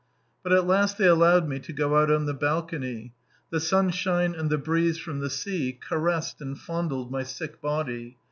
But at last they allowed me to go out on the balcony. The sunshine and the breeze from the sea caressed and fondled my sick body.